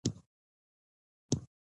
افغانستان له پکتیا ډک دی.